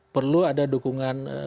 perlu ada dukungan